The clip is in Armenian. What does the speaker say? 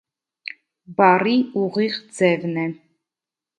Բառի ուղիղ ձևն է։